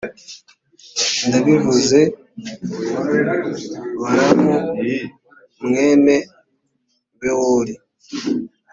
ndabivuze balamu mwene bewori.